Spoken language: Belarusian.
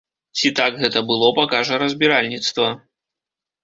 Ці так гэта было, пакажа разбіральніцтва.